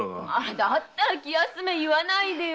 だったら気休め言わないでよ。